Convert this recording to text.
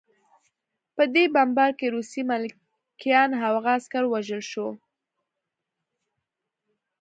په دې بمبار کې روسي ملکیان او هغه عسکر ووژل شول